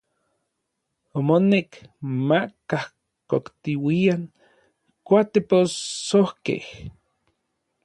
Omonek ma kajkoktiuian kuatepossojkej.